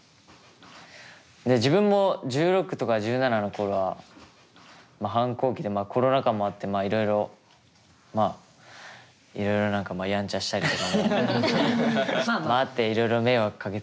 自分も１６とか１７の頃は反抗期でコロナ禍もあっていろいろまあいろいろ何かヤンチャしたりとかもあっていろいろ迷惑かけて。